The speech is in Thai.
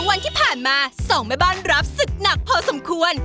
วันที่ผ่านมา๒แม่บ้านรับศึกหนักพอสมควร